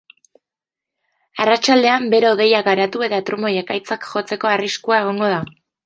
Arratsaldean bero-hodeiak garatu eta trumoi-ekaitzak jotzeko arriskua egongo da.